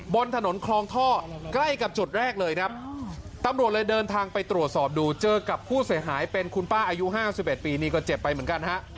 บนถนนคลองท่อใกล้กับจุดแรกเลยครับตำรวจเลยเดินทางไปตรวจสอบดูเจอกับผู้เสียหายเป็นคุณป้าอายุ๕๑ปีนี่ก็เจ็บไปเหมือนกันฮะ